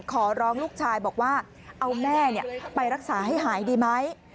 ขอร้องลูกชายบอกว่าเอาแม่ไปรักษาให้หายดีไหม